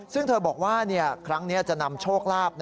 ซึ่งเธอบอกว่าครั้งนี้จะนำโชคลาภ